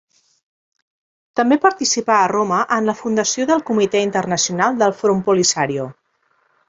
També participà a Roma en la fundació del Comitè Internacional del Front Polisario.